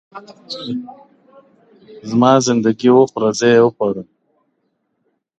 زما زنده گي وخوړه زې وخوړم,